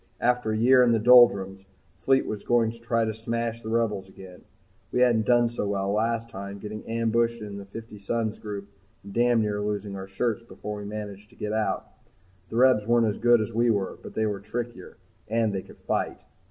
After a year in the doldrums, Fleet was going to try to smash the Rebels again. We hadn't done so well last time, getting ambushed in the Fifty Suns group and damn near losing our shirts before we managed to get out. The Rebs weren't as good as we were, but they were trickier, and they could fight.